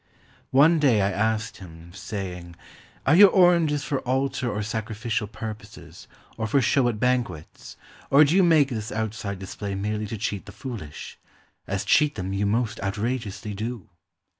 One day I asked him, saying, "Are your oranges for altar or sacrificial purposes, or for show at banquets? Or do you make this outside display merely to cheat the fooHsh? — as cheat them, you most outrageously do."